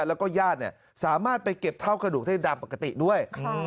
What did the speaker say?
แล้วก็ญาติสามารถไปเก็บเท่ากระดูกได้ตามปกติด้วย